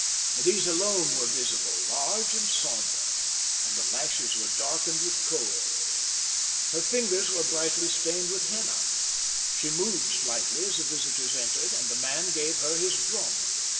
These alone were visible, large and sombre, and the lashes were darkened with kohl: her fingers were brightly stained with henna. She moved slightly as the visitors entered, and the man gave her his drum.